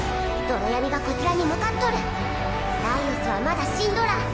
泥闇がこちらに向かっとるライオスはまだ死んどらん